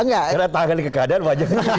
karena tangan di kekanan wajib